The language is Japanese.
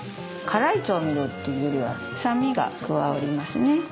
辛い調味料っていうよりは酸味が加わりますね。